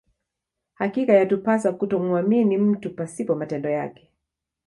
Hakika yatupasa kutomuamini mtu pasipo matendo yake